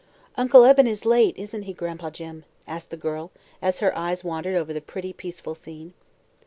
"Uncle Eben is late, isn't he, Gran'pa Jim?" asked the girl, as her eyes wandered over the pretty, peaceful scene.